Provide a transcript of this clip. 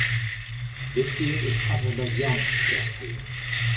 Ditkear is Azerbeidzjan de gasthear.